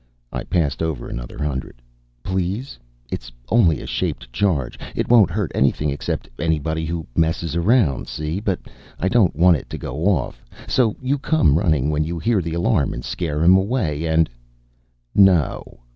I passed over another hundred. "Please? It's only a shaped charge. It won't hurt anything except anybody who messes around, see? But I don't want it to go off. So you come running when you hear the alarm and scare him away and " "No!"